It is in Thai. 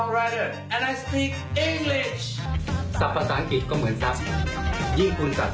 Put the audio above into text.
เราวัชเตอร์